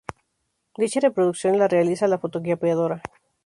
Dicha reproducción la realiza la fotocopiadora.